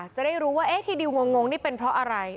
จะได้รู้ว่าที่ดิวงงนี่เป็นเพราะอะไร